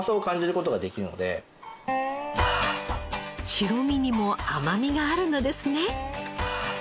白身にも甘みがあるのですね。